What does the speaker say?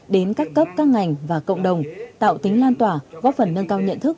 đến các cấp các ngành và cộng đồng tạo tính lan tỏa góp phần nâng cao nhận thức